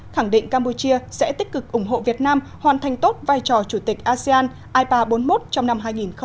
khẳng định campuchia sẽ tích cực ủng hộ việt nam hoàn thành tốt vai trò chủ tịch asean ipa bốn mươi một trong năm hai nghìn hai mươi